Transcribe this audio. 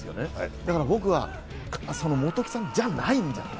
だから僕は本木さんじゃないんじゃないか。